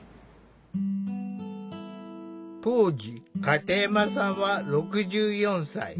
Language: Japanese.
当時片山さんは６４歳。